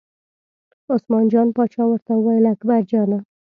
عثمان جان پاچا ورته وویل اکبرجانه!